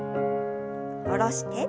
下ろして。